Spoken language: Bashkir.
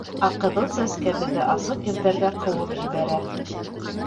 Ә Ҡыҙыл Сәскә беҙҙе асыҡ ерҙәргә ҡыуып ебәрә.